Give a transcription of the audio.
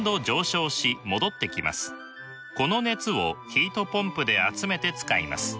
この熱をヒートポンプで集めて使います。